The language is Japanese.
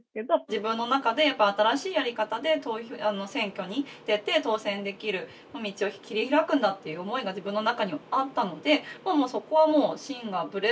自分の中でやっぱ新しいやり方で選挙に出て当選できる道を切り開くんだっていう思いが自分の中にはあったのでそこはもう心がぶれずに。